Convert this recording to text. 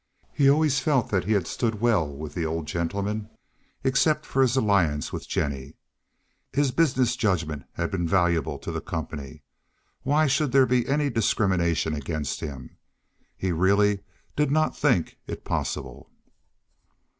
He always felt that he had stood well with the old gentleman, except for his alliance with Jennie. His business judgment had been valuable to the company. Why should there be any discrimination against him? He really did not think it possible.